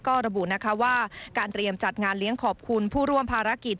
ก็ระบุนะคะว่าการเตรียมจัดงานเลี้ยงขอบคุณผู้ร่วมภารกิจ